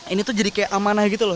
ini tuh jadi kayak amanah gitu loh